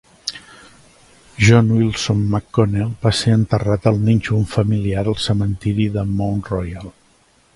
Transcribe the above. John Wilson McConnell va ser enterrat al nínxol familiar al cementiri de Mount Royal.